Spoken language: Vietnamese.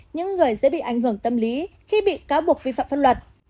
những người dễ bị ảnh hưởng tâm lý khi bị cáo buộc vi phạm pháp luật